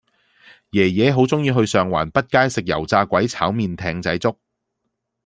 爺爺好鍾意去上環畢街食油炸鬼炒麵艇仔粥